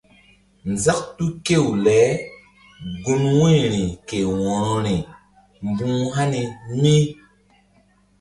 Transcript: Nzak tu kew le gun wu̧yri ke wo̧rori mbuh hani mí.